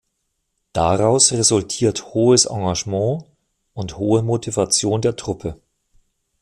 Daraus resultiert hohes Engagement und hohe Motivation der Truppe.